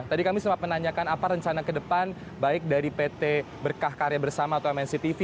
tadi kami sempat menanyakan apa rencana ke depan baik dari pt berkah karya bersama atau mnctv